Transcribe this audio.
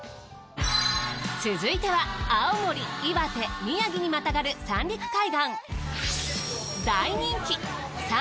続いては青森岩手宮城にまたがる三陸海岸。